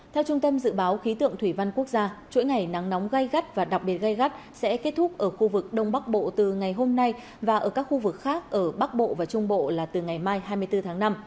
theo trung tâm dự báo khí tượng thủy văn quốc gia chuỗi ngày nắng nóng gai gắt và đặc biệt gây gắt sẽ kết thúc ở khu vực đông bắc bộ từ ngày hôm nay và ở các khu vực khác ở bắc bộ và trung bộ là từ ngày mai hai mươi bốn tháng năm